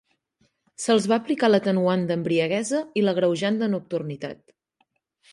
Se'ls va aplicar l'atenuant d'embriaguesa i l'agreujant de nocturnitat.